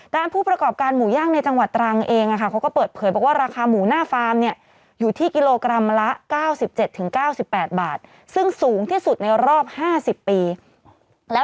ทำนั้นเลยคือตอนนี้เป็นคารวาสแล้ว